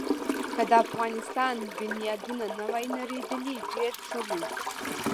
که د افغانستان بنیادونه نه وی نړېدلي، ډېر ښه وو.